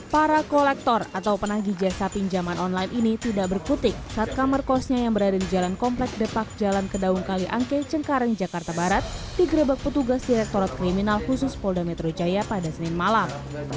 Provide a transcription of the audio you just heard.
para kolektor atau penagi jasa pinjaman online ini tidak berkutik saat kamar kosnya yang berada di jalan komplek depak jalan kedaung kaliangke cengkareng jakarta barat digerebek petugas direktorat kriminal khusus polda metro jaya pada senin malam